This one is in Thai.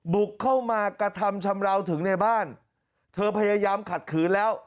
บุกเข้ามากระทำชำราวถึงในบ้านเธอพยายามขัดขืนแล้ว